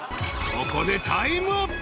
［ここでタイムアップ］